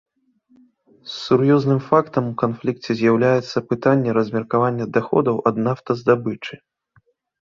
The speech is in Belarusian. Сур'ёзным фактарам у канфлікце з'яўляецца пытанне размеркавання даходаў ад нафтаздабычы.